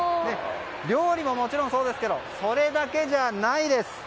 料理ももちろんそうですがそれだけじゃないです。